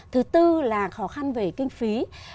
thứ tư là khó khăn về kinh phí